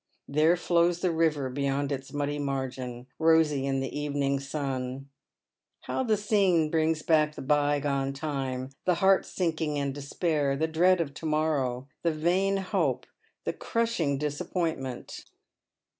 There flowg )ihe river beyond its muddy margin, rosy in tlie evening aun. 818 Dead MenCa Shod. How the scene brings back the bygone time, the heart Minkuag and despair, the dread of to morrow, the vain hope, the crushing disappointment